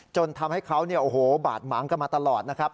จนทำให้เขาเนี่ยโอ้โหบาดหมางกันมาตลอดนะครับ